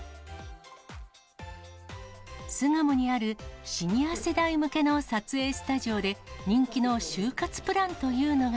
巣鴨にあるシニア世代向けの撮影スタジオで、人気の終活プランというのが。